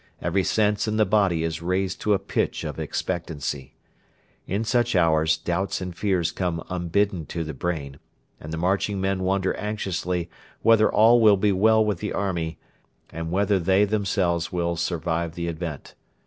Every sense in the body is raised to a pitch of expectancy. In such hours doubts and fears come unbidden to the brain, and the marching men wonder anxiously whether all will be well with the army, and whether they themselves will survive the event.